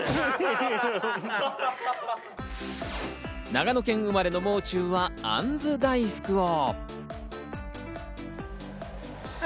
長野県生まれのもう中はあんず大福を。